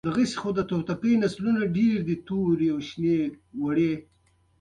د مېلو د تنظیم له پاره مشران جرګه کوي.